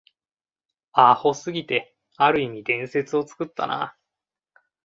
アホすぎて、ある意味伝説を作ったな